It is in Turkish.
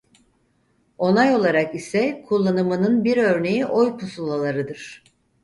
Onay olarak ise kullanımının bir örneği oy pusulalarıdır.